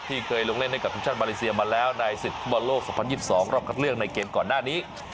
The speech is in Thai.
เคยลงเล่นให้กับทีมชาติมาเลเซียมาแล้วในศึกฟุตบอลโลก๒๐๒๒รอบคัดเลือกในเกมก่อนหน้านี้